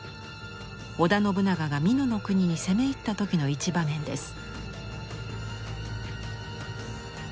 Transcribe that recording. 織田信長が美濃国に攻め入った時の一場面です。